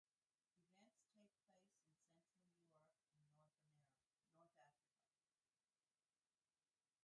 Events take place in Central Europe and North Africa.